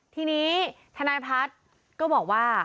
ทีนี้ทนายพัฒน์ก็บอกว่า